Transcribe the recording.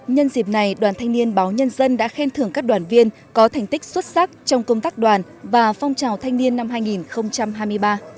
nhân dịp này đoàn thanh niên báo nhân dân đã khen thưởng các đoàn viên có thành tích xuất sắc trong công tác đoàn và phong trào thanh niên năm hai nghìn hai mươi ba